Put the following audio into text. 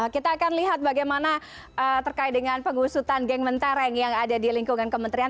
kita akan lihat bagaimana terkait dengan pengusutan geng mentereng yang ada di lingkungan kementerian